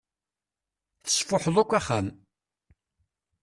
Tesfuḥeḍ akk axxam.